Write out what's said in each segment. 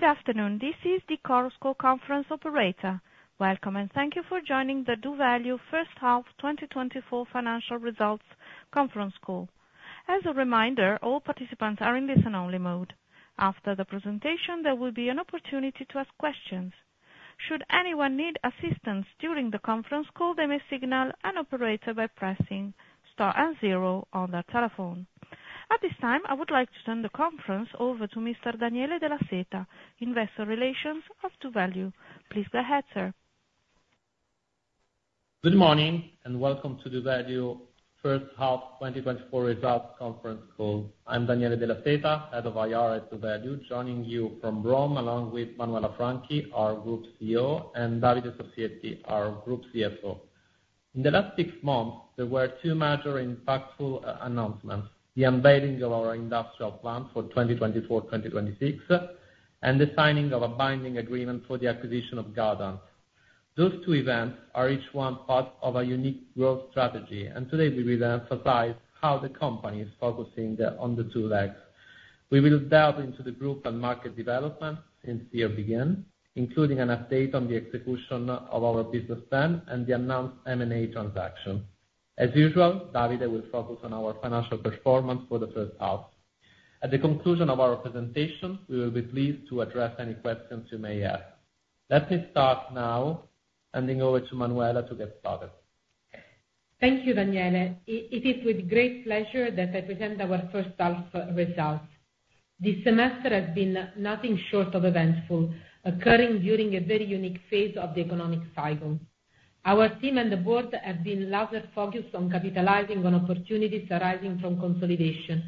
Good afternoon, this is the Chorus Call Conference Operator. Welcome, and thank you for joining the doValue First Half 2024 Financial Results Conference Call. As a reminder, all participants are in listen-only mode. After the presentation, there will be an opportunity to ask questions. Should anyone need assistance during the Conference Call, they may signal an operator by pressing Star and zero on their telephone. At this time, I would like to turn the conference over to Mr. Daniele Della Seta, Investor Relations of doValue. Please go ahead, sir. Good morning, and welcome to doValue First Half 2024 Results Conference Call. I'm Daniele Della Seta, Head of IR at doValue, joining you from Rome, along with Manuela Franchi, our Group CEO, and Davide Soffietti, our Group CFO. In the last six months, there were two major impactful announcements: the unveiling of our industrial plan for 2024, 2026, and the signing of a binding agreement for the acquisition of Gardant. Those two events are each one part of a unique growth strategy, and today we will emphasize how the company is focusing on the two legs. We will delve into the group and market development since the year began, including an update on the execution of our business plan and the announced M&A transaction. As usual, Davide will focus on our financial performance for the first half. At the conclusion of our presentation, we will be pleased to address any questions you may have. Let me start now, handing over to Manuela to get started. Thank you, Daniele. It is with great pleasure that I present our first half results. This semester has been nothing short of eventful, occurring during a very unique phase of the economic cycle. Our team and the board have been largely focused on capitalizing on opportunities arising from consolidation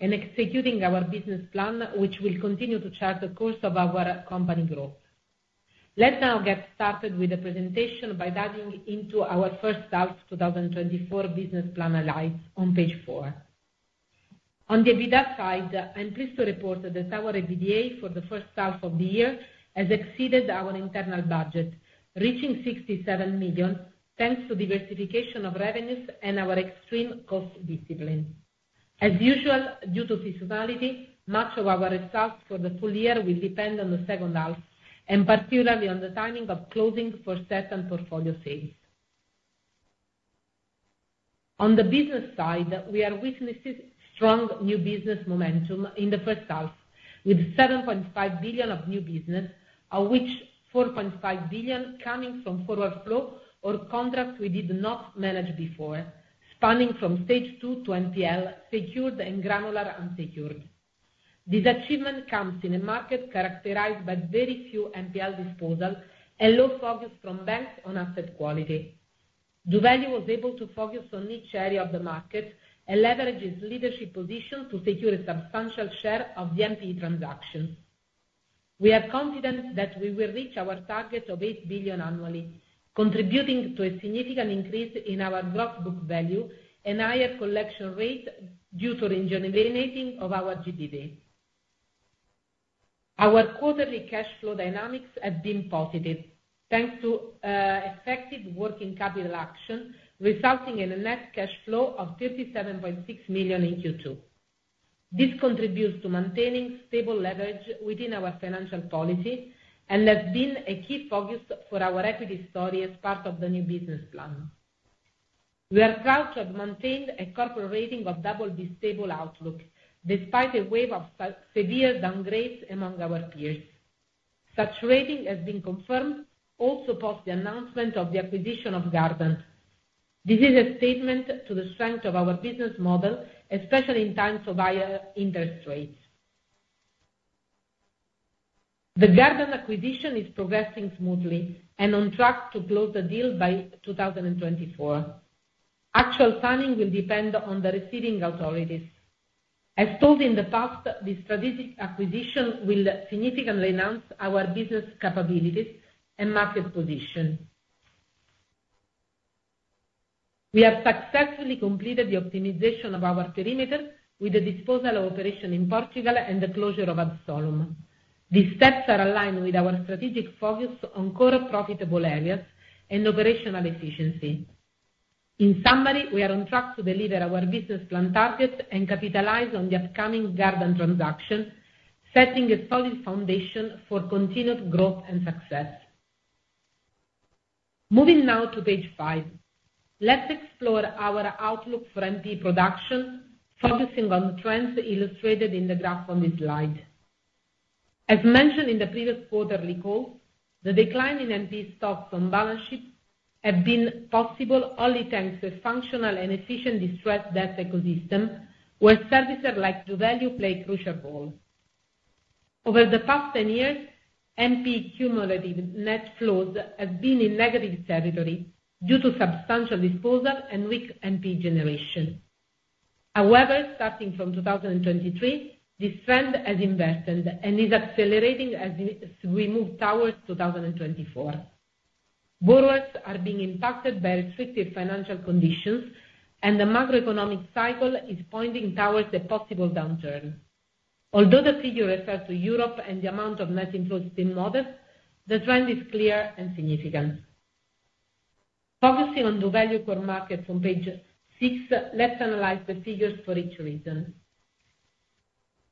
and executing our business plan, which will continue to chart the course of our company growth. Let's now get started with the presentation by diving into our first half 2024 business plan highlights on page 4. On the EBITDA side, I'm pleased to report that our EBITDA for the first half of the year has exceeded our internal budget, reaching 67 million, thanks to diversification of revenues and our extreme cost discipline. As usual, due to seasonality, much of our results for the full year will depend on the second half, and particularly on the timing of closing for certain portfolio sales. On the business side, we are witnessing strong new business momentum in the first half, with 7.5 billion of new business, of which 4.5 billion coming from forward flow or contracts we did not manage before, spanning from stage two to NPL, secured and granular unsecured. This achievement comes in a market characterized by very few NPL disposal and low focus from banks on asset quality. DoValue was able to focus on each area of the market and leverage its leadership position to secure a substantial share of the NPE transactions. We are confident that we will reach our target of 8 billion annually, contributing to a significant increase in our gross book value and higher collection rate due to the engineering of our GBV. Our quarterly cash flow dynamics have been positive, thanks to effective working capital action, resulting in a net cash flow of 37.6 million in Q2. This contributes to maintaining stable leverage within our financial policy and has been a key focus for our equity story as part of the new business plan. We are proud to have maintained a corporate rating of Double B stable outlook, despite a wave of severe downgrades among our peers. Such rating has been confirmed, also post the announcement of the acquisition of Gardant. This is a statement to the strength of our business model, especially in times of higher interest rates. The Gardant acquisition is progressing smoothly and on track to close the deal by 2024. Actual timing will depend on the receiving authorities. As told in the past, this strategic acquisition will significantly enhance our business capabilities and market position. We have successfully completed the optimization of our perimeter with the disposal operation in Portugal and the closure of Ad Solum. These steps are aligned with our strategic focus on core profitable areas and operational efficiency. In summary, we are on track to deliver our business plan targets and capitalize on the upcoming Gardant transaction, setting a solid foundation for continued growth and success. Moving now to page five. Let's explore our outlook for NPE production, focusing on trends illustrated in the graph on this slide. As mentioned in the previous quarterly call, the decline in NPE stocks on balance sheet have been possible only thanks to a functional and efficient distressed debt ecosystem, where servicers like doValue play a crucial role. Over the past 10 years, NPE cumulative net flows have been in negative territory due to substantial disposal and weak NPE generation. However, starting from 2023, this trend has inverted and is accelerating as we, as we move towards 2024. Borrowers are being impacted by restricted financial conditions, and the macroeconomic cycle is pointing towards a possible downturn. Although the figure refers to Europe and the amount of net inflows is still modest, the trend is clear and significant.... Focusing on the value core market on page six, let's analyze the figures for each region.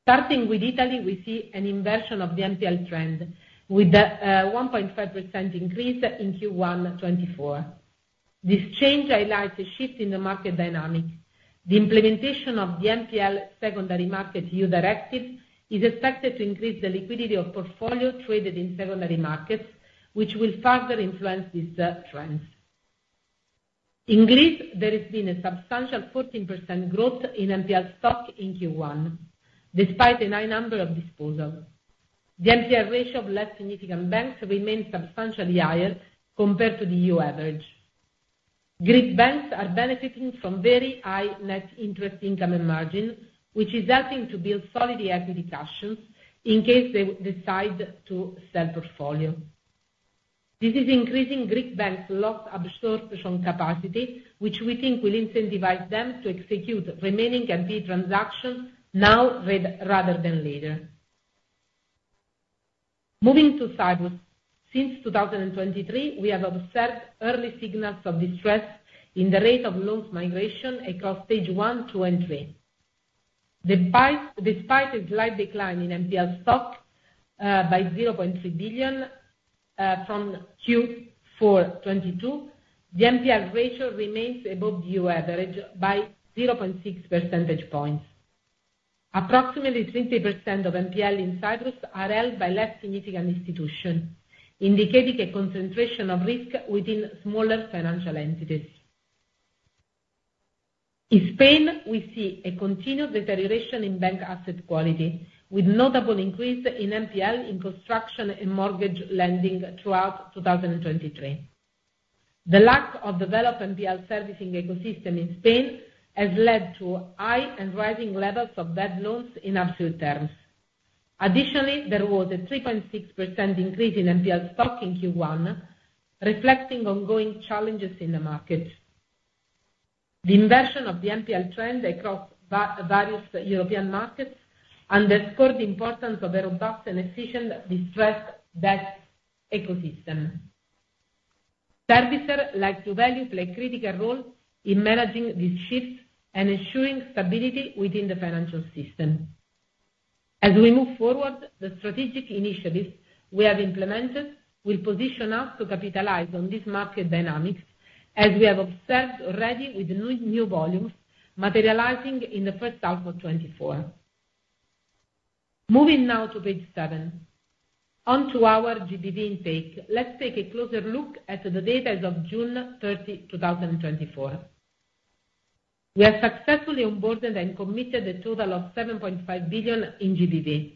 Starting with Italy, we see an inversion of the NPL trend, with a 1.5% increase in Q1 2024. This change highlights a shift in the market dynamic. The implementation of the NPL secondary market EU directive is expected to increase the liquidity of portfolio traded in secondary markets, which will further influence these trends. In Greece, there has been a substantial 14% growth in NPL stock in Q1, despite a high number of disposals. The NPL ratio of less significant banks remains substantially higher compared to the EU average. Greek banks are benefiting from very high net interest income and margin, which is helping to build solid equity cushions in case they decide to sell portfolio. This is increasing Greek banks' loss absorption capacity, which we think will incentivize them to execute remaining NP transaction now rather than later. Moving to Cyprus. Since 2023, we have observed early signals of distress in the rate of loans migration across Stage 1, 2, and 3. Despite a slight decline in NPL stock by 0.3 billion from Q4 2022, the NPL ratio remains above the average by 0.6 percentage points. Approximately 30% of NPL in Cyprus are held by less significant institutions, indicating a concentration of risk within smaller financial entities. In Spain, we see a continued deterioration in bank asset quality, with notable increase in NPL in construction and mortgage lending throughout 2023. The lack of developed NPL servicing ecosystem in Spain has led to high and rising levels of bad loans in absolute terms. Additionally, there was a 3.6% increase in NPL stock in Q1, reflecting ongoing challenges in the market. The inversion of the NPL trend across various European markets underscores the importance of a robust and efficient distressed debt ecosystem. Servicers like doValue play a critical role in managing this shift and ensuring stability within the financial system. As we move forward, the strategic initiatives we have implemented will position us to capitalize on this market dynamics, as we have observed already with new volumes materializing in the first half of 2024. Moving now to page seven. Onto our GBV intake. Let's take a closer look at the data as of June 30, 2024. We have successfully onboarded and committed a total of 7.5 billion in GBV.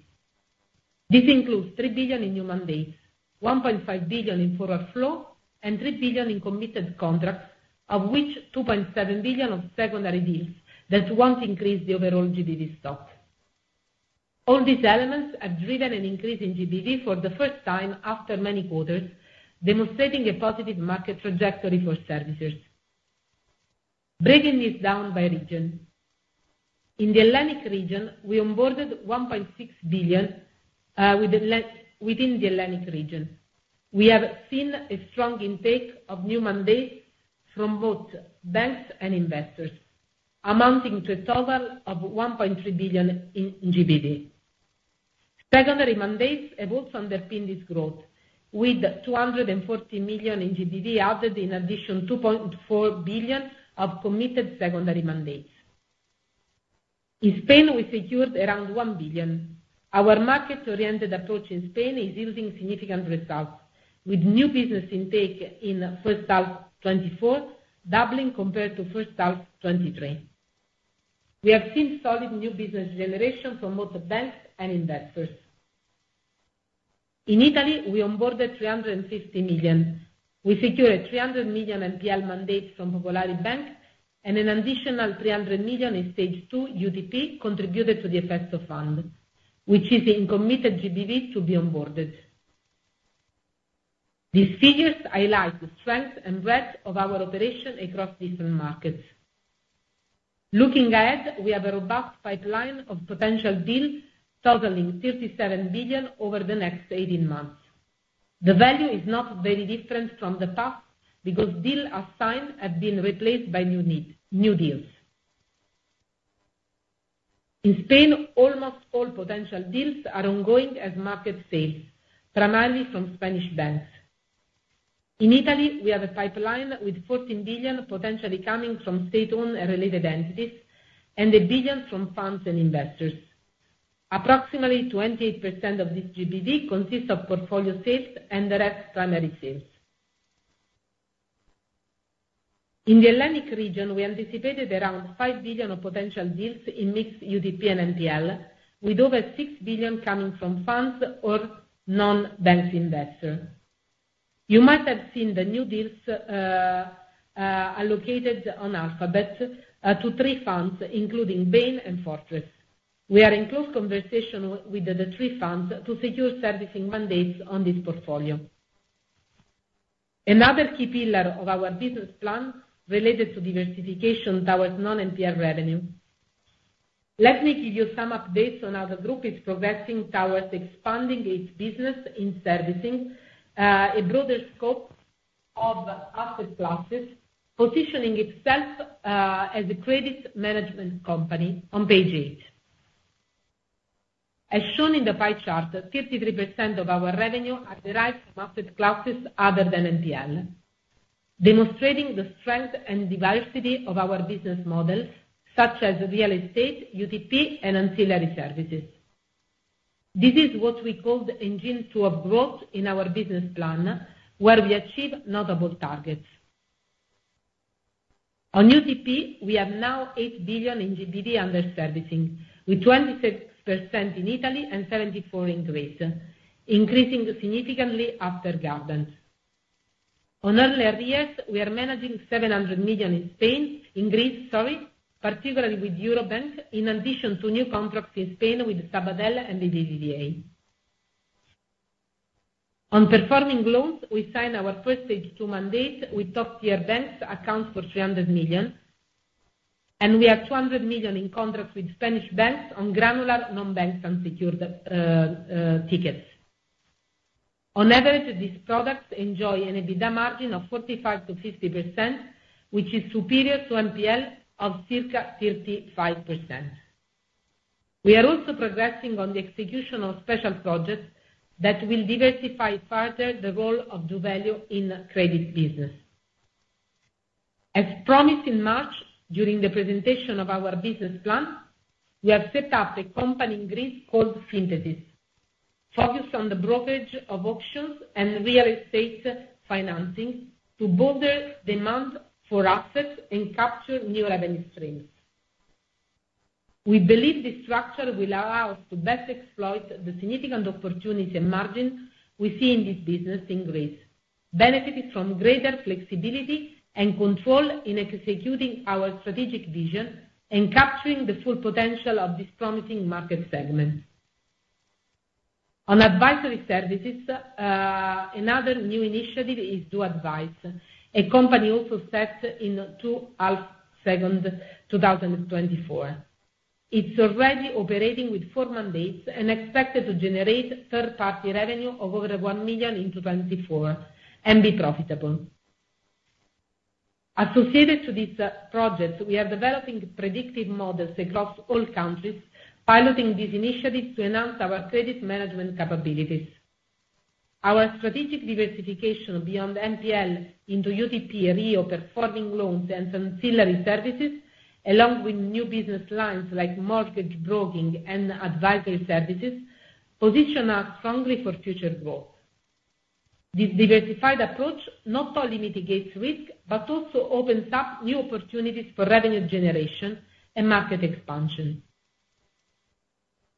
This includes 3 billion in new mandates, 1.5 billion in forward flow, and 3 billion in committed contracts, of which 2.7 billion of secondary deals that won't increase the overall GBV stock. All these elements have driven an increase in GBV for the first time after many quarters, demonstrating a positive market trajectory for servicers. Breaking this down by region. In the Hellenic region, we onboarded 1.6 billion within the Hellenic region. We have seen a strong intake of new mandates from both banks and investors, amounting to a total of 1.3 billion in GBV. Secondary mandates have also underpinned this growth, with 240 million in GBV added, in addition to 2.4 billion of committed secondary mandates. In Spain, we secured around 1 billion. Our market-oriented approach in Spain is yielding significant results, with new business intake in first half 2024, doubling compared to first half 2023. We have seen solid new business generation from both the banks and investors. In Italy, we onboarded 350 million. We secured 300 million NPL mandates from Popolare Bank, and an additional 300 million in stage 2 UTP contributed to the Efesto Fund, which is in committed GBV to be onboarded. These figures highlight the strength and breadth of our operation across different markets. Looking ahead, we have a robust pipeline of potential deals totaling 37 billion over the next 18 months. The value is not very different from the past, because deals as signed have been replaced by new need, new deals. In Spain, almost all potential deals are ongoing as market sales, primarily from Spanish banks. In Italy, we have a pipeline with 14 billion potentially coming from state-owned and related entities, and 1 billion from funds and investors. Approximately 28% of this GBV consists of portfolio sales and direct primary sales. In the Hellenic region, we anticipated around 5 billion of potential deals in mixed UTP and NPL, with over 6 billion coming from funds or non-bank investors. You might have seen the new deals allocated on Alphabet to three funds, including Bain and Fortress. We are in close conversation with the three funds to secure servicing mandates on this portfolio. Another key pillar of our business plan related to diversification towards non-NPL revenue. Let me give you some updates on how the group is progressing towards expanding its business in servicing a broader scope of asset classes, positioning itself as a credit management company on page eight. As shown in the pie chart, 53% of our revenue are derived from asset classes other than NPL, demonstrating the strength and diversity of our business model, such as real estate, UTP, and ancillary services. This is what we call the engine to our growth in our business plan, where we achieve notable targets. On UTP, we have now 8 billion in GBV under servicing, with 26% in Italy and 74% in Greece, increasing significantly after Gardant. On early arrears, we are managing 700 million in Spain, in Greece, sorry, particularly with Eurobank, in addition to new contracts in Spain with Sabadell and BBVA. On performing loans, we signed our first stage two mandate with top-tier banks, accounts for 300 million, and we have 200 million in contracts with Spanish banks on granular non-bank secured tickets. On average, these products enjoy an EBITDA margin of 45%-50%, which is superior to NPL of circa 35%. We are also progressing on the execution of special projects that will diversify further the role of doValue in credit business. As promised in March, during the presentation of our business plan, we have set up a company in Greece called Synthesis, focused on the brokerage of auctions and real estate financing to build the demand for assets and capture new revenue streams. We believe this structure will allow us to best exploit the significant opportunity and margin we see in this business in Greece, benefiting from greater flexibility and control in executing our strategic vision and capturing the full potential of this promising market segment. On advisory services, another new initiative is doAdvisory, a company also set up in the second half of 2024. It's already operating with 4 mandates and expected to generate third-party revenue of over 1 million in 2024, and be profitable. Associated to this project, we are developing predictive models across all countries, piloting these initiatives to enhance our credit management capabilities. Our strategic diversification beyond NPL into UTP and reo performing loans and ancillary services, along with new business lines like mortgage broking and advisory services, position us strongly for future growth. This diversified approach not only mitigates risk, but also opens up new opportunities for revenue generation and market expansion.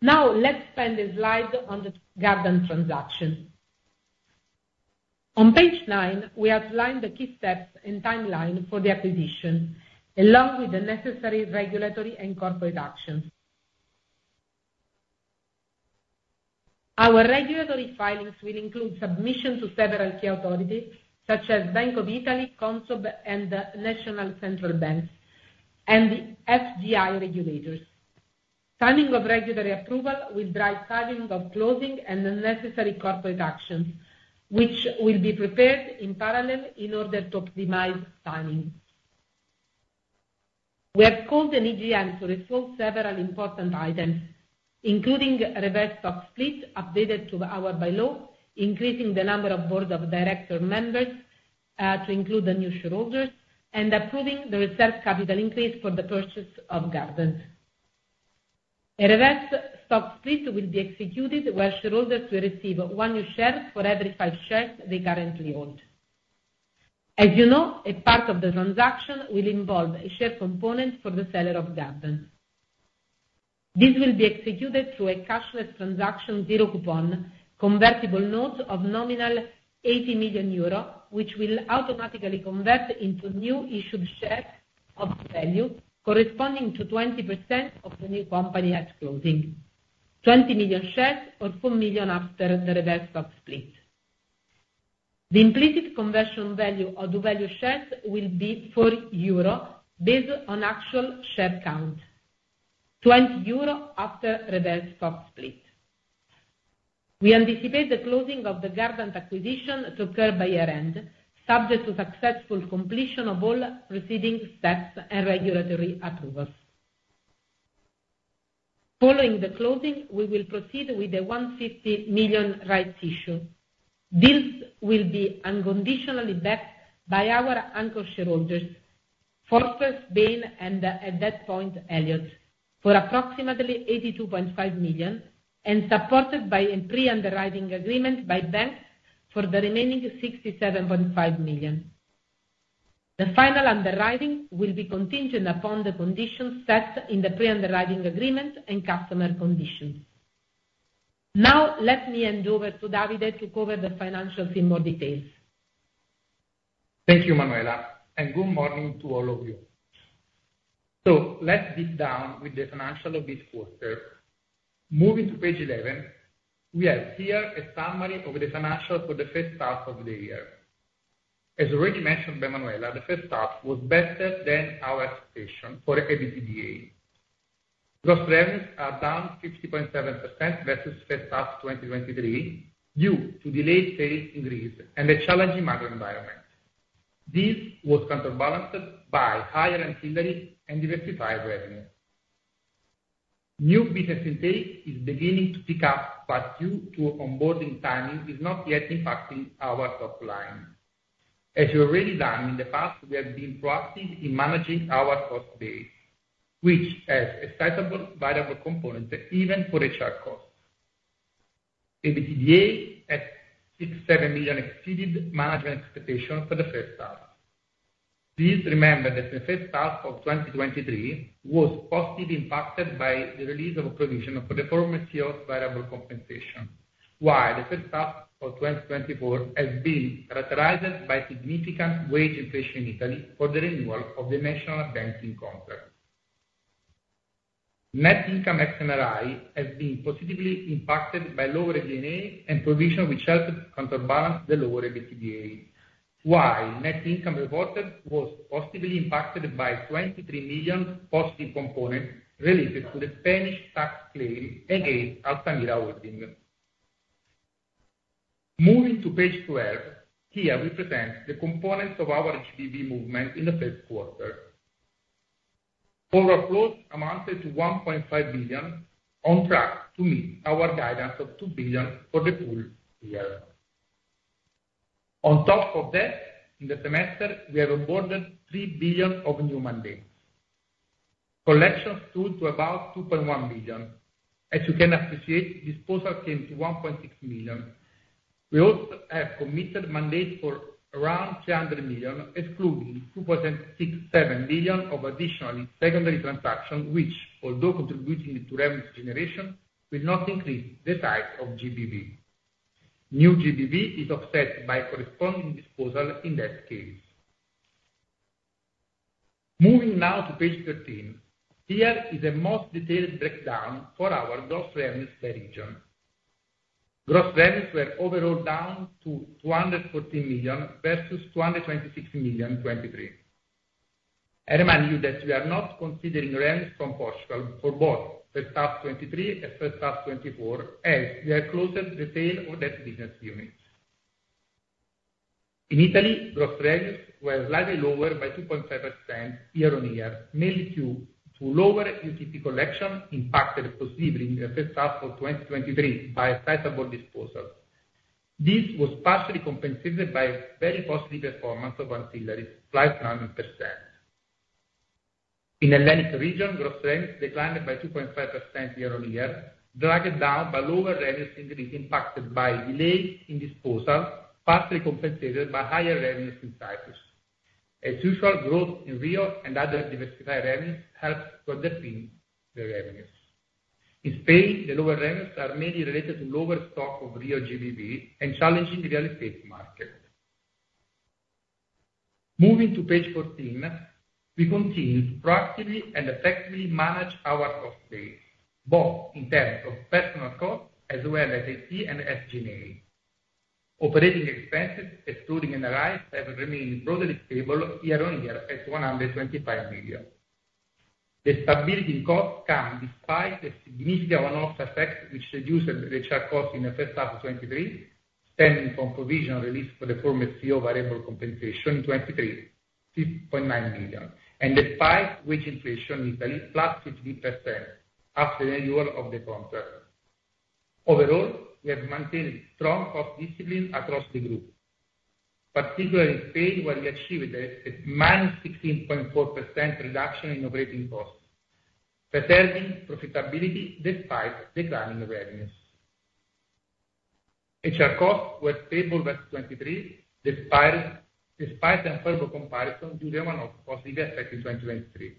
Now, let's spend a slide on the Gardant transaction. On page 9, we outlined the key steps and timeline for the acquisition, along with the necessary regulatory and corporate actions. Our regulatory filings will include submission to several key authorities, such as Bank of Italy, Consob, and the National Central Banks, and the FDI regulators. Timing of regulatory approval will drive timing of closing and the necessary corporate actions, which will be prepared in parallel in order to optimize timing. We have called an EGM to resolve several important items, including reverse stock split, updates to our bylaws, increasing the number of board of directors members, to include the new shareholders, and approving the reserved capital increase for the purchase of Gardant. A reverse stock split will be executed, where shareholders will receive one new share for every five shares they currently hold. As you know, a part of the transaction will involve a share component for the seller of Gardant. This will be executed through a cashless transaction, zero coupon convertible note of nominal 80 million euro, which will automatically convert into new issued shares of value corresponding to 20% of the new company at closing. 20 million shares or 4 million after the reverse stock split. The implicit conversion value of doValue shares will be 40 euro, based on actual share count. 20 euro after reverse stock split. We anticipate the closing of the Gardant acquisition to occur by year-end, subject to successful completion of all preceding steps and regulatory approvals. Following the closing, we will proceed with the 150 million rights issue. This will be unconditionally backed by our anchor shareholders, Fortress, Bain, and at that point, Elliott, for approximately 82.5 million, and supported by a pre-underwriting agreement by banks for the remaining 67.5 million. The final underwriting will be contingent upon the conditions set in the pre-underwriting agreement and customer conditions. Now, let me hand over to Davide to cover the financials in more details. Thank you, Manuela, and good morning to all of you. So let's dig down with the financial of this quarter. Moving to page 11, we have here a summary of the financial for the first half of the year. As already mentioned by Manuela, the first half was better than our expectation for EBITDA. Gross revenues are down 50.7% versus first half 2023, due to delayed sales in Greece and a challenging market environment. This was counterbalanced by higher ancillary and diversified revenue. New business intake is beginning to pick up, but due to onboarding timing, is not yet impacting our top line. As we already done in the past, we have been proactive in managing our cost base, which has a sizable variable component, even for HR costs. EBITDA at 67 million exceeded management expectations for the first half. Please remember that the first half of 2023 was positively impacted by the release of a provision for the former CEO's variable compensation, while the first half of 2024 has been characterized by significant wage inflation in Italy for the renewal of the National Banking Contract. Net income as NRI has been positively impacted by lower D&A and provision, which helped to counterbalance the lower EBITDA, while net income reported was positively impacted by 23 million positive component related to the Spanish tax claim against Altamira Holding. Moving to page 12, here we present the components of our HDD movement in the Q1. Total flows amounted to 1.5 billion, on track to meet our guidance of 2 billion for the full year. On top of that, in the semester, we have onboarded 3 billion of new mandates. Collections stood to about 2.1 billion. As you can appreciate, disposal came to 1.6 billion. We also have committed mandate for around 300 million, excluding 2.67 billion of additional secondary transactions, which, although contributing to revenue generation, will not increase the size of GBV. New GBV is offset by corresponding disposal in that case. Moving now to page 13. Here is a more detailed breakdown for our gross revenues by region. Gross revenues were overall down to 214 million versus 226 million, 2023. I remind you that we are not considering revenues from Portugal for both the first half 2023 and first half 2024, as we have closed the sale of that business unit. In Italy, gross revenues were slightly lower by 2.5% year-on-year, mainly due to lower UTP collection, impacted positively in the first half of 2023 by a sizable disposal. This was partially compensated by very positive performance of ancillary, plus 9%. In Hellenic region, gross revenues declined by 2.5% year-on-year, dragged down by lower revenues in Greece, impacted by delays in disposal, partially compensated by higher revenues in Cyprus. As usual, growth in Rio and other diversified revenues helped to underpin the revenues. In Spain, the lower revenues are mainly related to lower stock of real GBV and challenging real estate market. Moving to page 14, we continue to proactively and effectively manage our cost base, both in terms of personal costs as well as IT and SG&A. Operating expenses, excluding MRI, have remained broadly stable year-on-year at 125 million. The stability in costs came despite a significant one-off effect, which reduced the HR costs in the first half of 2023, stemming from provision released for the former CEO variable compensation in 2023, EUR 6.9 million, and despite wage inflation in Italy, +50%, after the renewal of the contract. Overall, we have maintained strong cost discipline across the group, particularly in Spain, where we achieved a minus 16.4% reduction in operating costs, preserving profitability despite declining revenues. HR costs were stable at 2023, despite unfavorable comparison to the one-off positive effect in 2023.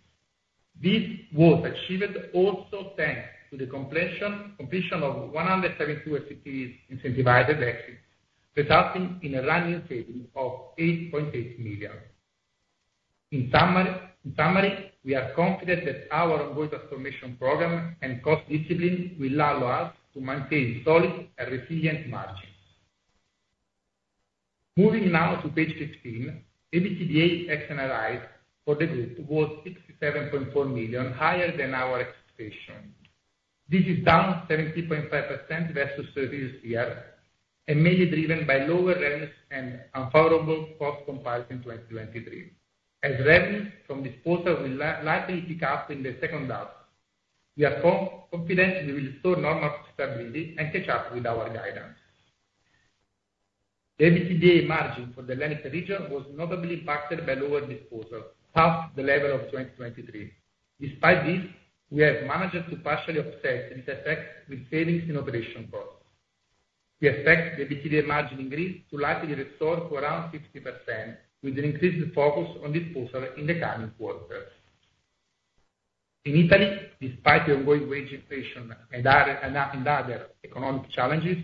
This was achieved also thanks to the completion of 172 FTEs incentivized exits, resulting in a running saving of 8.8 million. In summary, in summary, we are confident that our ongoing transformation program and cost discipline will allow us to maintain solid and resilient margins. Moving now to page 15, EBITDA as analyzed for the group was 67.4 million, higher than our expectation. This is down 17.5% versus the previous year, and mainly driven by lower revenues and unfavorable cost compared in 2023. As revenues from disposal will lightly pick up in the second half, we are confident we will restore normal profitability and catch up with our guidance. The EBITDA margin for the Hellenic region was notably impacted by lower disposal, half the level of 2023. Despite this, we have managed to partially offset this effect with savings in operation costs. We expect the EBITDA margin in Greece to lightly restore to around 60%, with an increased focus on disposal in the coming quarters. In Italy, despite the ongoing wage inflation and other economic challenges,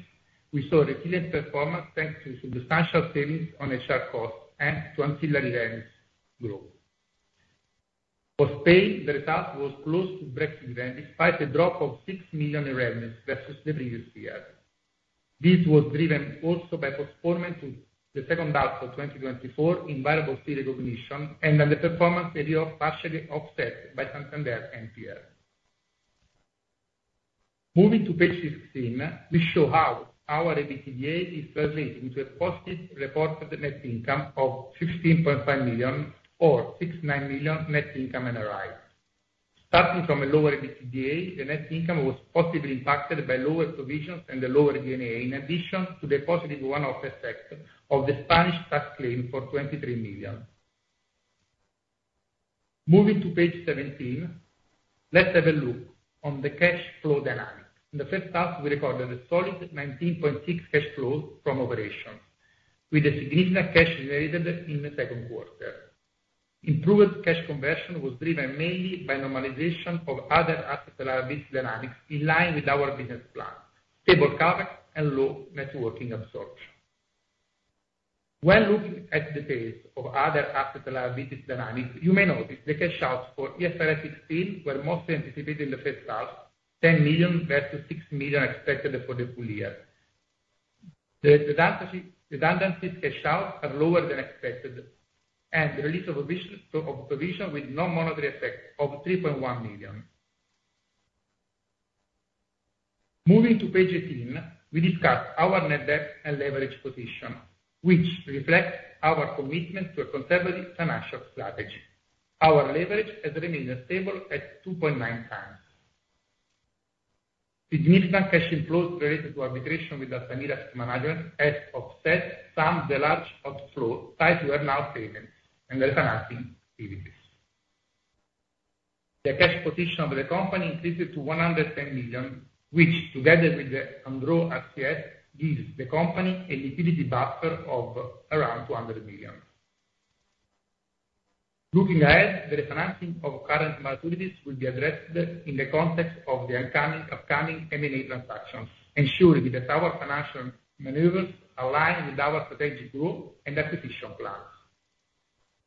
we saw resilient performance, thanks to substantial savings on HR costs and to ancillary revenues growth. For Spain, the result was close to breakeven, despite a drop of 6 million in revenues versus the previous year. This was driven also by postponement to the second half of 2024 in variable fee recognition, and then the performance ratio partially offset by Santander NPL. Moving to page 16, we show how our EBITDA is translated into a positive report of the net income of 16.5 million, or 69 million net income NRI. Starting from a lower EBITDA, the net income was positively impacted by lower provisions and the lower D&A, in addition to the positive one-off effect of the Spanish tax claim for 23 million. Moving to page 17, let's have a look on the cash flow dynamic. In the first half, we recorded a solid 19.6 million cash flow from operation, with a significant cash generated in the Q2. Improved cash conversion was driven mainly by normalization of other asset liability dynamics in line with our business plan, stable CapEx, and low net working absorption. When looking at the pace of other asset liabilities dynamics, you may notice the cash outs for IFRS 16 were mostly anticipated in the first half, 10 million versus 6 million expected for the full year. The redundancies cash outs are lower than expected, and the release of provisions with no monetary effect of EUR 3.1 million. Moving to page 18, we discuss our net debt and leverage position, which reflects our commitment to a conservative financial strategy. Our leverage has remained stable at 2.9x. Significant cash inflows related to arbitration with Altamira's management has offset some of the large outflow tied to earnout payments and refinancing activities. The cash position of the company increased to 110 million, which together with the undrawn RCF, gives the company a liquidity buffer of around 200 million. Looking ahead, the refinancing of current maturities will be addressed in the context of the upcoming M&A transactions, ensuring that our financial maneuvers align with our strategic growth and acquisition plans.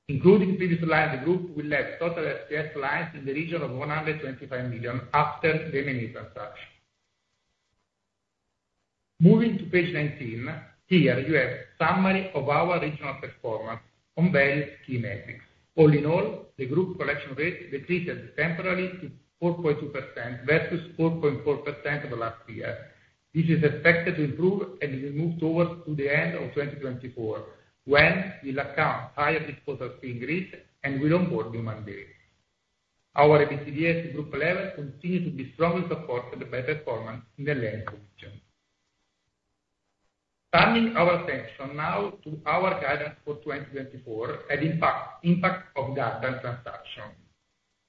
Including previous line, the group will have total RCF lines in the region of 125 million after the M&A transaction. Moving to page 19, here you have summary of our regional performance on very key metrics. All in all, the group collection rate decreased temporarily to 4.2% versus 4.4% of last year. This is expected to improve as we move towards the end of 2024, when we'll account higher disposal in Greece, and we're onboarding in Spain. Our EBITDA at group level continues to be strongly supported by performance in the Iberian position. Turning our attention now to our guidance for 2024 and impact, impact of the Gardant transaction.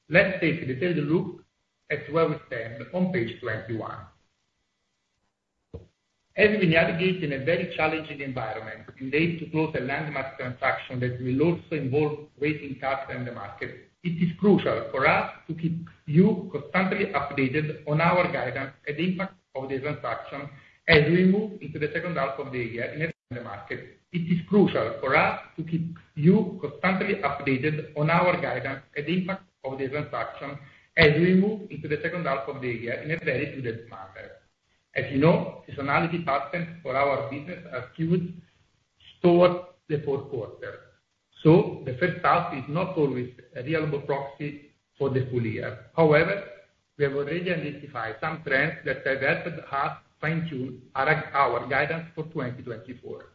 Let's take a detailed look at where we stand on page 21. As we navigate in a very challenging environment, we continue to close a landmark transaction that will also involve raising capital in the market. It is crucial for us to keep you constantly updated on our guidance and impact of the transaction as we move into the second half of the year in the market. It is crucial for us to keep you constantly updated on our guidance and impact of the transaction as we move into the second half of the year in a very fluid matter. As you know, seasonality patterns for our business are skewed towards the Q4, so the first half is not always a reliable proxy for the full year. However, we have already identified some trends that have helped us fine-tune our guidance for 2024.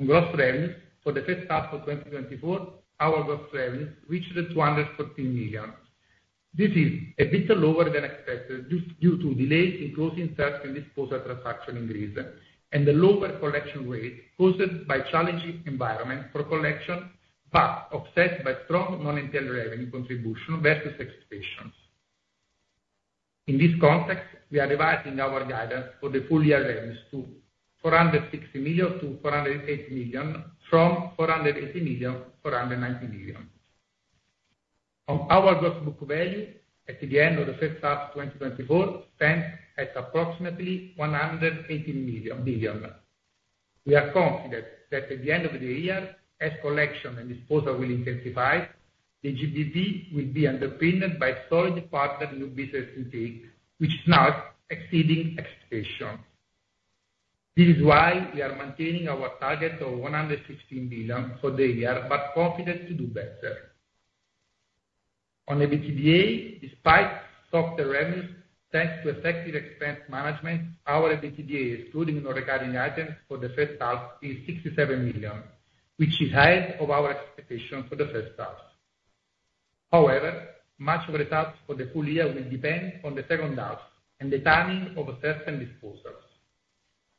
On gross revenues for the first half of 2024, our gross revenues reached 214 million. This is a bit lower than expected, due to delays in closing certain disposal transaction in Greece, and the lower collection rate caused by challenging environment for collection, but offset by strong non-interest revenue contribution versus expectations. In this context, we are revising our guidance for the full year revenues to 460 million-480 million, from 480 million-490 million. On our gross book value at the end of the first half 2024, stands at approximately 18 billion. We are confident that at the end of the year, as collection and disposal will intensify, the GBP will be underpinned by solid partner new business intake, which is now exceeding expectations. This is why we are maintaining our target of 116 billion for the year, but confident to do better. On EBITDA, despite softer revenues, thanks to effective expense management, our EBITDA, excluding non-recurring items for the first half, is 67 million, which is higher than our expectation for the first half. However, much of the outlook for the full year will depend on the second half and the timing of assets and disposals.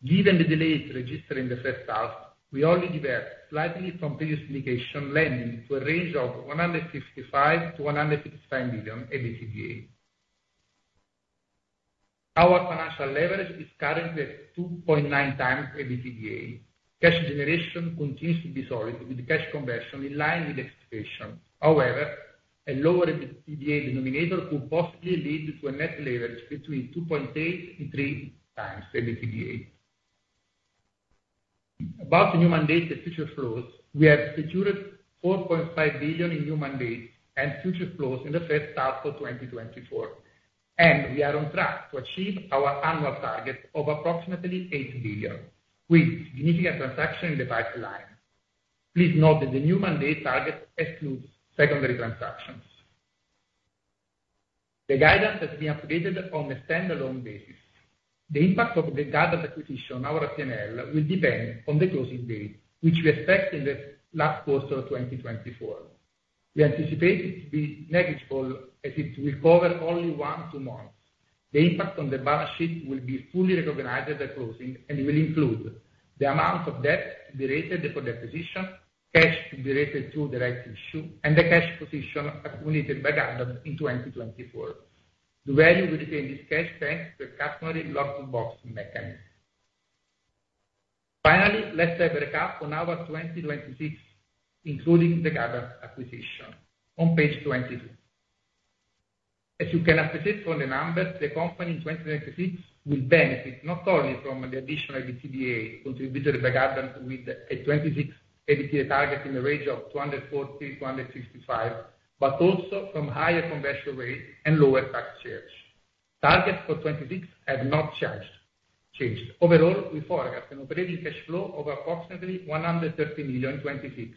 Given the delayed order intake in the first half, we only deviate slightly from previous communication, leading to a range of 155-165 million EBITDA. Our financial leverage is currently 2.9 times EBITDA. Cash generation continues to be solid, with cash conversion in line with expectation. However, a lower EBITDA denominator could possibly lead to a net leverage between 2.8x and 3x the EBITDA. About the new mandate, the future flows, we have secured 4.5 billion in new mandate and future flows in the first half of 2024, and we are on track to achieve our annual target of approximately 8 billion, with significant transaction in the pipeline. Please note that the new mandate target excludes secondary transactions. The guidance has been updated on a standalone basis. The impact of the Gardant acquisition on our P&L will depend on the closing date, which we expect in the last quarter of 2024. We anticipate it to be negligible, as it will cover only 1-2 months. The impact on the balance sheet will be fully recognized at the closing, and it will include the amount of debt related for the acquisition, cash to be related to the rights issue, and the cash position accumulated by Gardant in 2024. The vendor will retain this cash thanks to a customary locked box Overall, we forecast an operating cash flow of approximately EUR 130 million in 2026,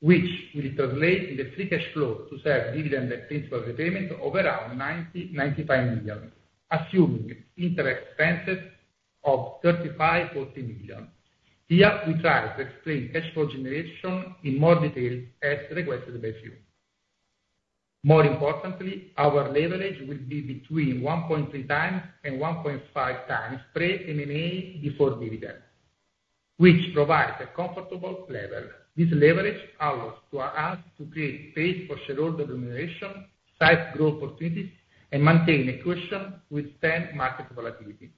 which will translate in the free cash flow to serve dividend and principal repayment of around 90 million-95 million, assuming interest expenses of 35 million-40 million. Here, we try to explain cash flow generation in more detail, as requested by you. More importantly, our leverage will be between 1.3x and 1.5x pre-M&A before dividend, which provides a comfortable level. This leverage allows to us to create space for shareholder remuneration, size growth opportunities, and maintain a cushion withstand market volatility.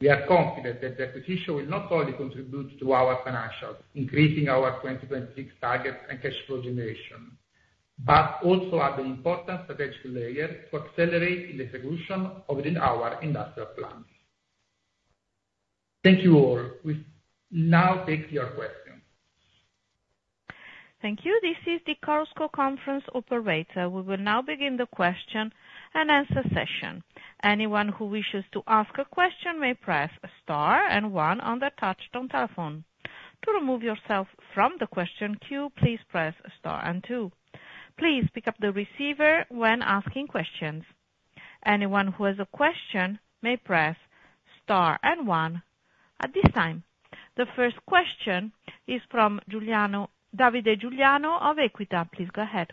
We are confident that the acquisition will not only contribute to our financials, increasing our 2026 targets and cash flow generation, but also add an important strategic layer to accelerate the execution of within our industrial plans. Thank you, all. We now take your questions. Thank you. This is the doValue conference operator. We will now begin the question-and-answer session. Anyone who wishes to ask a question may press star and one on their touchtone telephone. To remove yourself from the question queue, please press star and two. Please pick up the receiver when asking questions. Anyone who has a question may press star and one. At this time, the first question is from Davide Giuliano of Equita. Please go ahead.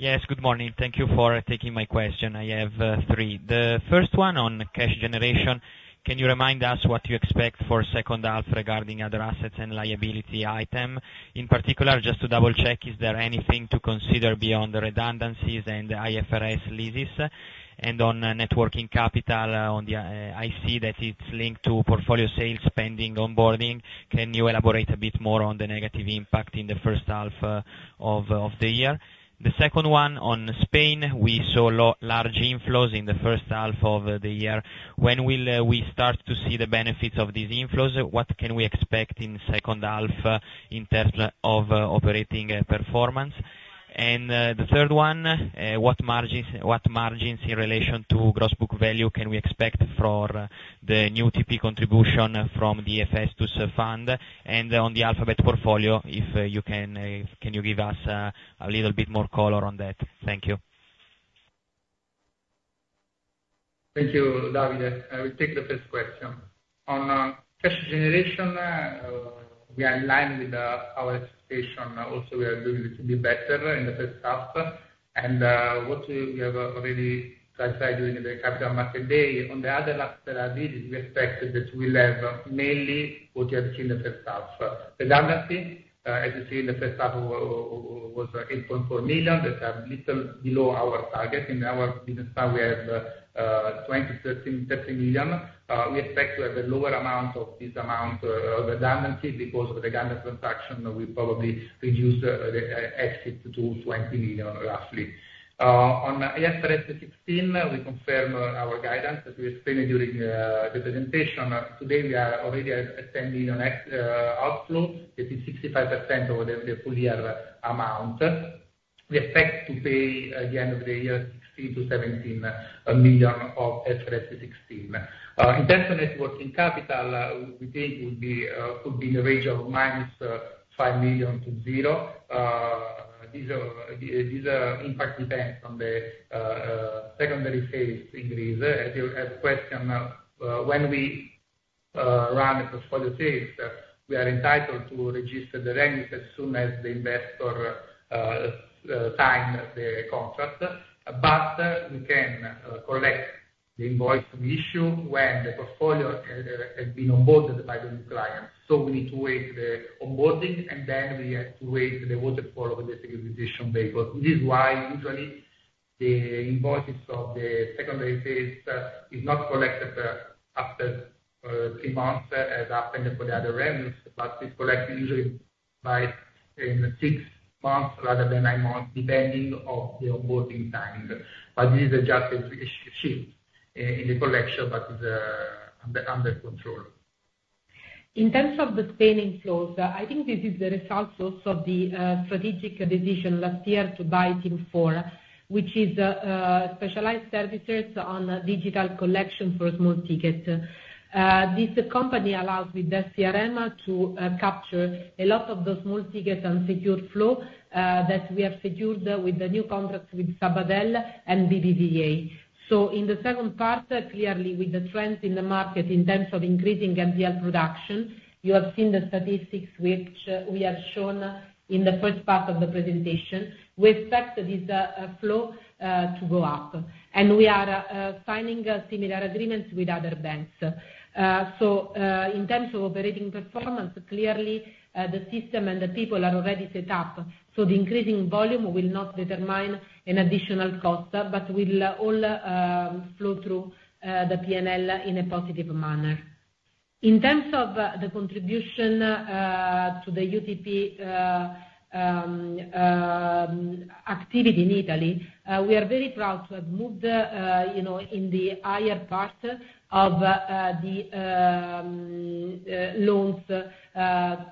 Yes, good morning. Thank you for taking my question. I have three. The first one on cash generation: can you remind us what you expect for second half regarding other assets and liability item? In particular, just to double check, is there anything to consider beyond the redundancies and the IFRS leases? And on the net working capital, on the, I see that it's linked to portfolio sales pending onboarding. Can you elaborate a bit more on the negative impact in the first half of the year? The second one, on Spain, we saw large inflows in the first half of the year. When will we start to see the benefits of these inflows? What can we expect in second half in terms of operating performance? And, the third one, what margins, what margins in relation to gross book value can we expect for the new UTP contribution from the DFS to fund? And on the Alphabet Portfolio, if you can, can you give us a little bit more color on that? Thank you. Thank you, Davide. I will take the first question. On cash generation, we are in line with our expectation. Also, we are doing it to be better in the first half, and what we have already tried doing the Capital Markets Day. On the other half that I did, we expect that we'll have mainly what you have seen in the first half. Redundancy, as you see in the first half was 8.4 million. That are little below our target. In our business plan, we have 23 million-30 million. We expect to have a lower amount of this amount, redundancy because of the Gardant transaction will probably reduce the exit to 20 million, roughly. On IFRS 16, we confirm our guidance that we explained during the presentation. Today, we are already at 10 million outflow, that is 65% of the full year amount. We expect to pay at the end of the year 16 million to 17 million of IFRS 16. In terms of net working capital, we think would be, could be in the range of -5 million to 0. These impacts depend on the secondary phase increase. As you asked question, when we run a portfolio sales, we are entitled to register the revenue as soon as the investor sign the contract, but we can collect the invoice we issue when the portfolio has been onboarded by the new client. So we need to wait the onboarding, and then we have to wait the waterfall of the securitization paper. This is why usually the invoices of the secondary phase is not collected after three months, as happened for the other revenues, but we collect usually... by in six months rather than nine months, depending on the onboarding time. But this is just a shift in the collection, but the under control. In terms of the payment flows, I think this is the result also of the strategic decision last year to buy Team4, which is specialized services on digital collection for small tickets. This company allows with their CRM to capture a lot of the small ticket and secure flow that we have secured with the new contracts with Sabadell and BBVA. So in the second part, clearly with the trend in the market in terms of increasing NPL production, you have seen the statistics which we have shown in the first part of the presentation. We expect this flow to go up, and we are signing similar agreements with other banks. So, in terms of operating performance, clearly, the system and the people are already set up, so the increasing volume will not determine an additional cost, but will all flow through the PNL in a positive manner. In terms of the contribution to the UTP activity in Italy, we are very proud to have moved, you know, in the higher part of the loans type.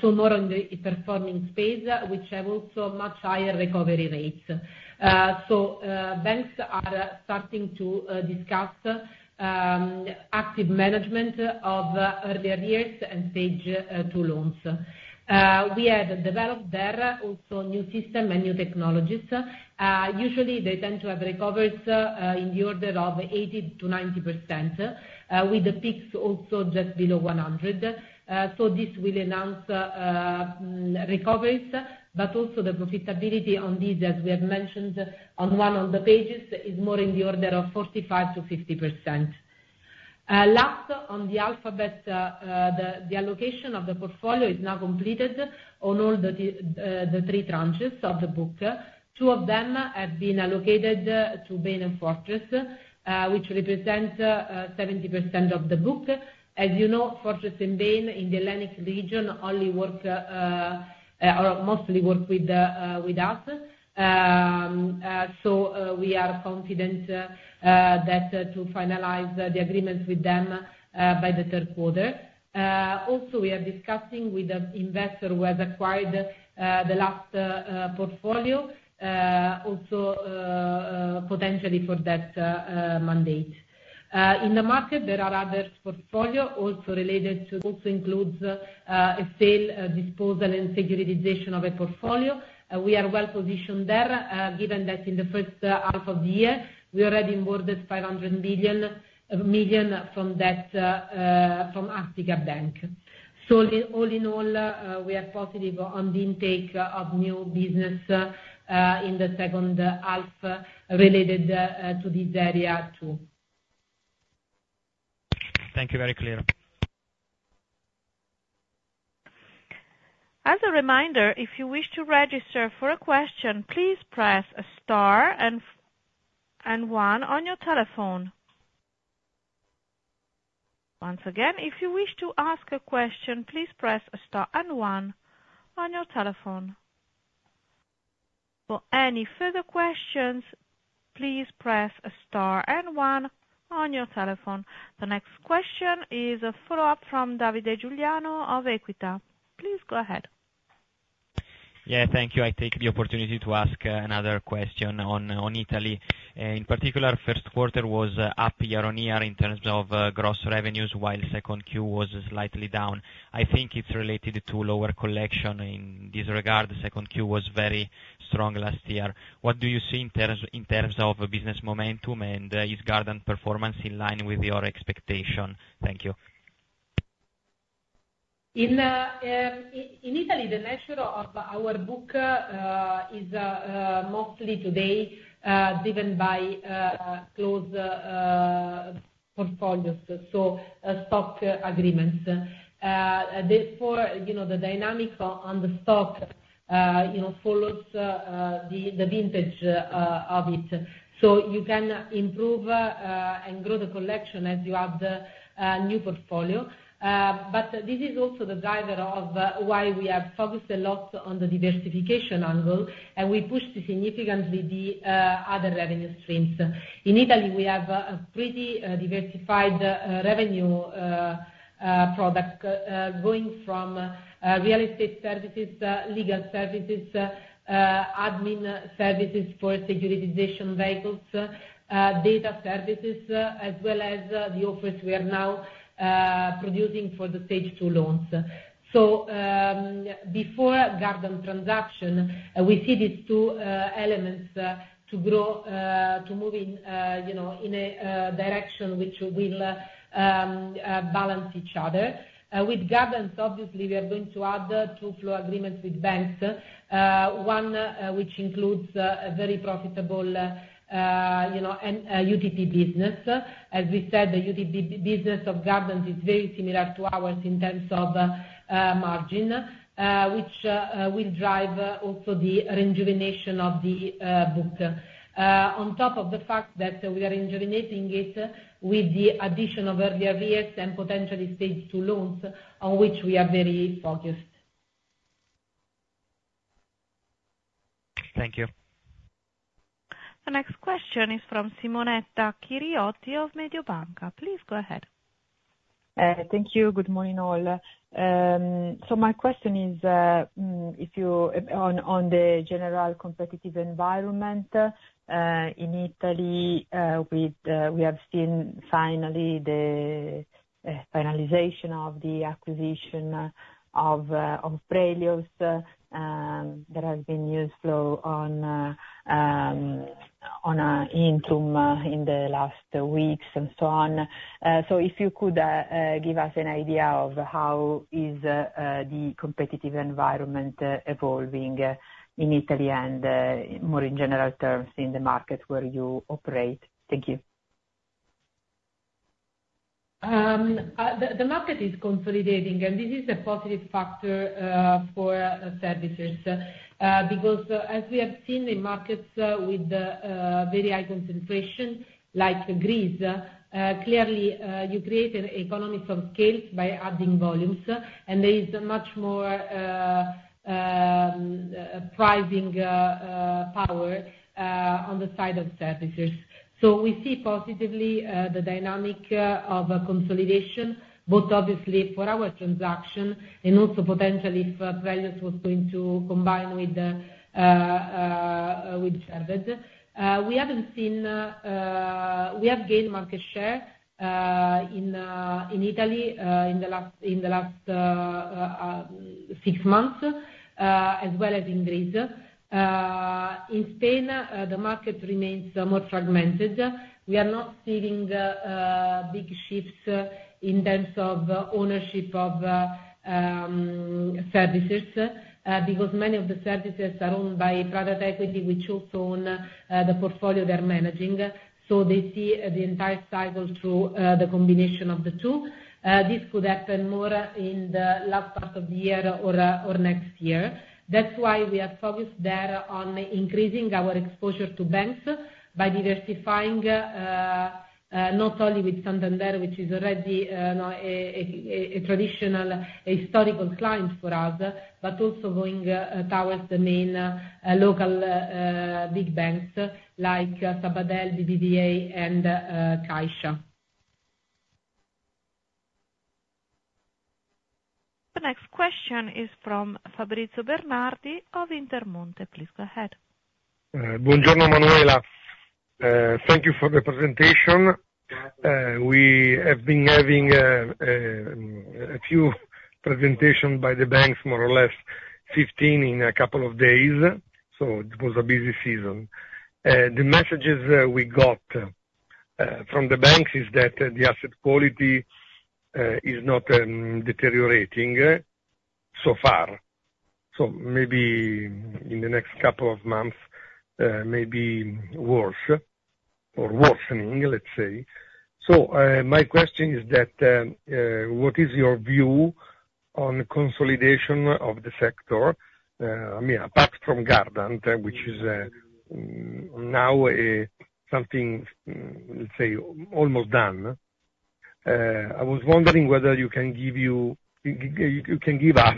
So more on the performing space, which have also much higher recovery rates. So, banks are starting to discuss active management of earlier years and stage two loans. We have developed there also new system and new technologies. Usually they tend to have recoveries in the order of 80%-90%, with the peaks also just below 100%. So this will enhance recoveries, but also the profitability on these, as we have mentioned on one of the pages, is more in the order of 45%-50%. Last on the Alphabet, the allocation of the portfolio is now completed on all the three tranches of the book. Two of them have been allocated to Bain and Fortress, which represents 70% of the book. As you know, Fortress and Bain in the Hellenic region only work, or mostly work with us. So we are confident that to finalize the agreements with them by the Q3. Also, we are discussing with the investor who has acquired the last portfolio also potentially for that mandate. In the market, there are other portfolio also related to, also includes, a sale, disposal and securitization of a portfolio. We are well positioned there, given that in the first half of the year, we already onboarded 500 million from that, from Attica Bank. So all in all, we are positive on the intake of new business, in the second half, related to this area, too. Thank you. Very clear. As a reminder, if you wish to register for a question, please press star and one on your telephone. Once again, if you wish to ask a question, please press star and one on your telephone. For any further questions, please press star and one on your telephone. The next question is a follow-up from Davide Giuliano of Equita. Please go ahead. Yeah, thank you. I take the opportunity to ask another question on Italy. In particular, Q1 was up year-on-year in terms of gross revenues, while second Q was slightly down. I think it's related to lower collection. In this regard, the second Q was very strong last year. What do you see in terms of business momentum, and is Gardant performance in line with your expectation? Thank you. In Italy, the nature of our book is mostly today driven by close portfolios, so stock agreements. Therefore, you know, the dynamic on the stock you know follows the vintage of it. So you can improve and grow the collection as you add new portfolio. But this is also the driver of why we have focused a lot on the diversification angle, and we pushed significantly the other revenue streams. In Italy, we have a pretty diversified revenue product going from real estate services, legal services, admin services for securitization vehicles, data services, as well as the office we are now producing for the Stage 2 loans. Before Gardant transaction, we see these two elements to grow to move in you know in a direction which will balance each other. With Gardant, obviously, we are going to add two flow agreements with banks. One which includes a very profitable you know UTP business. As we said, the UTP business of Gardant is very similar to ours in terms of margin which will drive also the rejuvenation of the book. On top of the fact that we are rejuvenating it with the addition of earlier years and potentially Stage 2 loans, on which we are very focused. Thank you. The next question is from Simonetta Chiriotti of Mediobanca. Please go ahead. Thank you. Good morning, all. So my question is, if you, on the general competitive environment in Italy, with we have seen finally the finalization of the acquisition of of Prelios. There has been news flow on on Intrum in the last weeks, and so on. So if you could give us an idea of how is the competitive environment evolving in Italy, and more in general terms, in the market where you operate? Thank you. The market is consolidating, and this is a positive factor for services. Because as we have seen in markets with very high concentration, like Greece, clearly you create economies of scale by adding volumes, and there is much more pricing power on the side of services. So we see positively the dynamic of a consolidation, both obviously for our transaction, and also potentially if Prelios was going to combine with Cerved. We haven't seen. We have gained market share in Italy in the last six months as well as in Greece. In Spain, the market remains more fragmented. We are not seeing big shifts in terms of ownership of services because many of the services are owned by private equity, which also own the portfolio they're managing, so they see the entire cycle through the combination of the two. This could happen more in the last part of the year or next year. That's why we are focused there on increasing our exposure to banks by diversifying not only with Santander, which is already a traditional historical client for us, but also going towards the main local big banks, like Sabadell, BBVA, and Caixa. The next question is from Fabrizio Bernardi of Intermonte. Please go ahead. Buongiorno, Manuela. Thank you for the presentation. We have been having a few presentation by the banks, more or less 15 in a couple of days, so it was a busy season. The messages we got from the banks is that the asset quality is not deteriorating, so far. So maybe in the next couple of months may be worse, or worsening, let's say. So, my question is that what is your view on consolidation of the sector? I mean, apart from Gardant, which is now something, let's say, almost done. I was wondering whether you can give us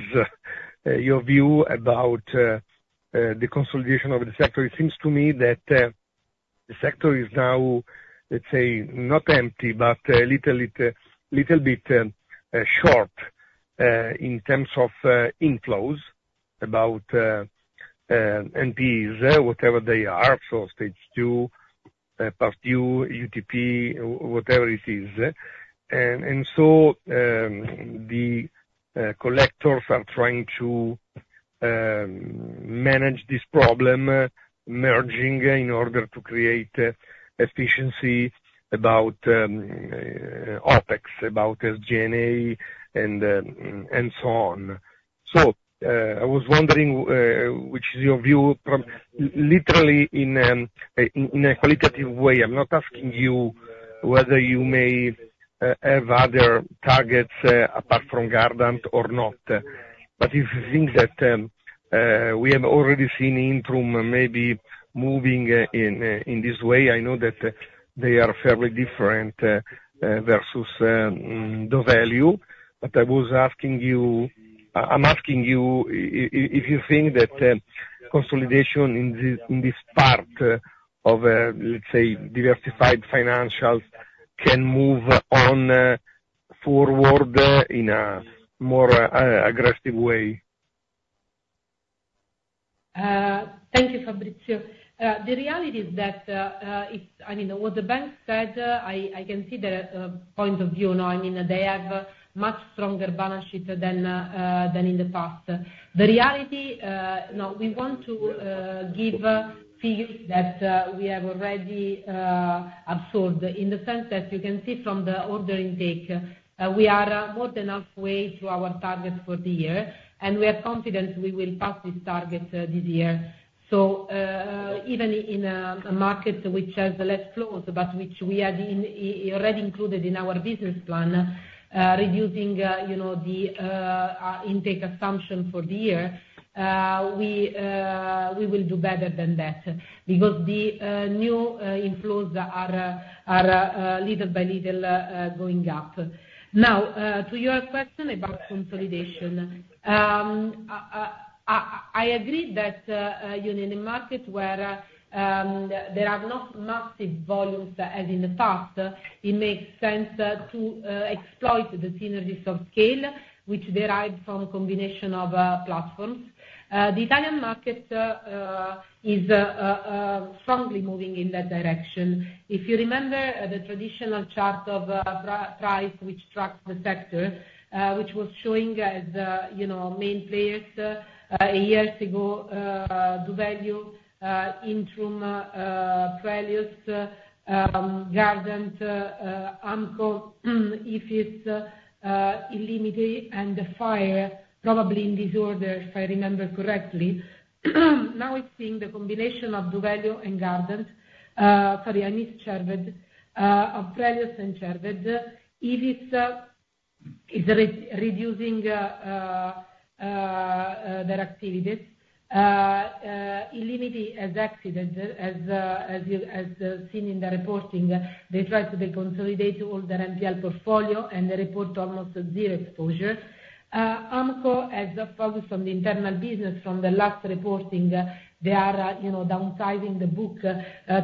your view about the consolidation of the sector. It seems to me that the sector is now, let's say, not empty, but a little bit, little bit short in terms of inflows about NPLs, whatever they are. So stage two, part two, UTP, whatever it is. And so the collectors are trying to manage this problem, merging in order to create efficiency about OpEx, about G&A, and so on. So I was wondering which is your view from literally in a qualitative way. I'm not asking you whether you may have other targets apart from Gardant or not. But if you think that we have already seen Intrum maybe moving in this way, I know that they are fairly different versus doValue. But I was asking you. I, I'm asking you if you think that, consolidation in this part of, let's say, diversified financials, can move on forward in a more aggressive way? Thank you, Fabrizio. The reality is that, it's, I mean, what the bank said, I can see the point of view, no? I mean, they have much stronger balance sheet than in the past. The reality now we want to give figures that we have already absorbed, in the sense that you can see from the order intake, we are more than halfway to our target for the year, and we are confident we will pass this target this year. So, even in a market which has less flows, but which we had already included in our business plan, reducing, you know, the intake assumption for the year, we will do better than that, because the new inflows are little by little going up. Now, to your question about consolidation, I agree that, you know, in a market where there are not massive volumes as in the past, it makes sense to exploit the synergies of scale, which derives from a combination of platforms. The Italian market is strongly moving in that direction. If you remember, the traditional chart of price, which tracks the sector, which was showing as, you know, main players, a few years ago, doValue, Intrum, Prelios, Gardant, AMCO, Ifis, illimity, and the Fire Group, probably in this order, if I remember correctly. Now it's seeing the combination of doValue and Gardant. Sorry, I missed Cerved. of Prelios and Cerved. Ifis is reducing their activities, illimity has exited, as you've seen in the reporting. They tried to consolidate all their NPL portfolio, and they report almost zero exposure. AMCO has focused on the internal business from the last reporting. They are, you know, downsizing the book,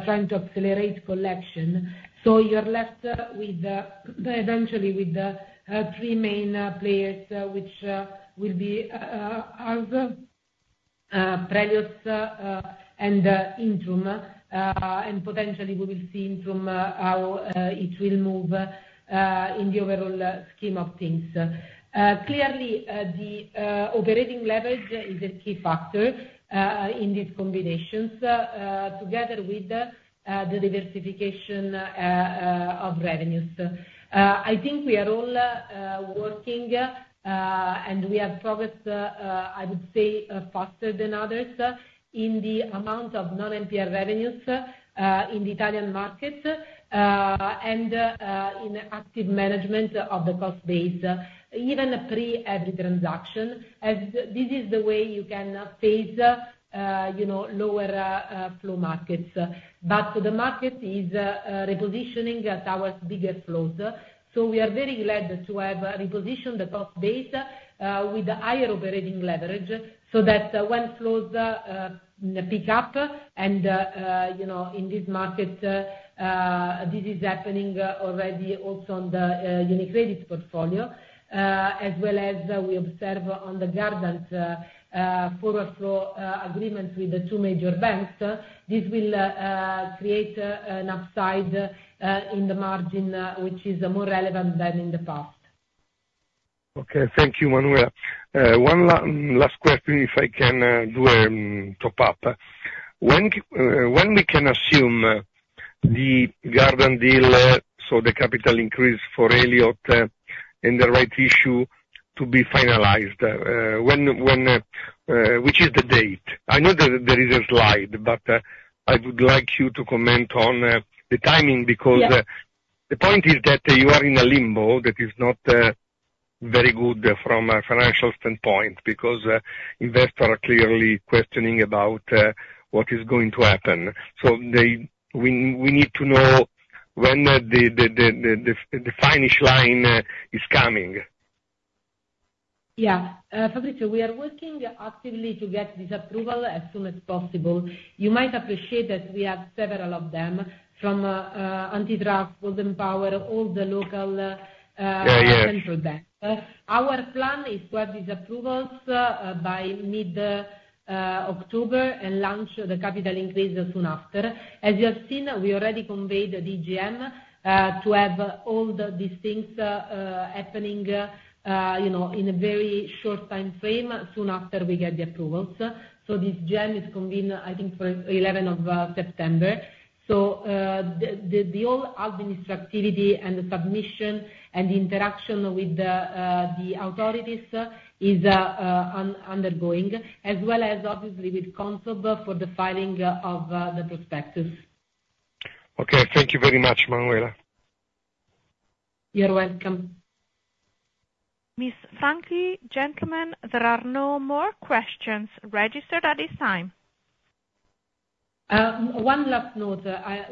trying to accelerate collection. So you're left with, eventually with the, three main, players, which, will be, as, Prelios, and, Intrum. And potentially we will see Intrum, how, it will move, in the overall, scheme of things. Clearly, the, operating leverage is a key factor, in these combinations, together with, the diversification, of revenues. I think we are all, working, and we have progressed, I would say, faster than others, in the amount of non-NPL revenues, in the Italian market, and, in active management of the cost base, even pre every transaction, as this is the way you can face, you know, lower, flow markets. But the market is, repositioning at our biggest flows. So we are very glad to have repositioned the cost base with higher operating leverage, so that when flows pick up, and you know, in this market, this is happening already also on the Unicredit portfolio, as well as we observe on the Gardant forward flow agreement with the two major banks. This will create an upside in the margin, which is more relevant than in the past. Okay, thank you, Manuela. One last question, if I can, do top up. When we can assume the Gardant deal, so the capital increase for Elliott, and the rights issue to be finalized, when, when, which is the date? I know that there is a slide, but I would like you to comment on the timing, because- Yeah. The point is that you are in a limbo that is not very good from a financial standpoint, because investors are clearly questioning about what is going to happen. So we need to know when the finish line is coming. Yeah. Fabrizio, we are working actively to get this approval as soon as possible. You might appreciate that we have several of them from, antitrust, Golden Power, all the local, Yeah, yeah... central banks. Our plan is to have these approvals by mid October, and launch the capital increase soon after. As you have seen, we already convened the EGM to have all these things happening, you know, in a very short timeframe, soon after we get the approvals. So this EGM is convened, I think, for eleven of September. So the all administrative activity and the submission and interaction with the authorities is undergoing, as well as obviously with Consob for the filing of the prospectus. Okay. Thank you very much, Manuela. You're welcome. Manuela Franchi, gentlemen, there are no more questions registered at this time. One last note.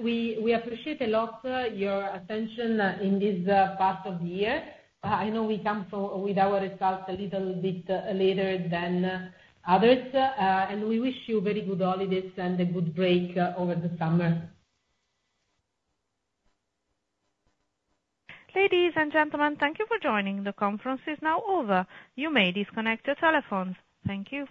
We appreciate a lot your attention in this part of the year. I know we come for... with our results a little bit later than others, and we wish you very good holidays and a good break over the summer. Ladies and gentlemen, thank you for joining. The conference is now over. You may disconnect your telephones. Thank you.